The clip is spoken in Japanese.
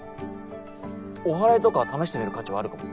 お祓いとか試してみる価値はあるかも。